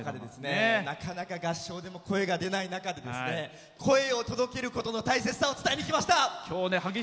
なかなか合唱でも声が出ない中で声を届けることの大切さを伝えにきました。